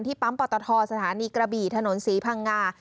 ปั๊มปตทสถานีกระบี่ถนนศรีพังงา